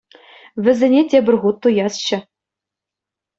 Вӗсене тепӗр хут туясчӗ.